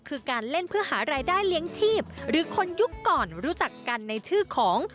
คือการเล่นเพื่อหารายได้เลี้ยงชีพหรือคนยุคก่อนรู้จักกันในชื่อของ